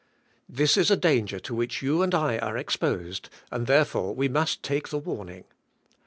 This is a danger to which you and I are exposed and therefore we must take the warning.